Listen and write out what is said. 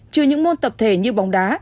trừ những môn tập thể như bóng đá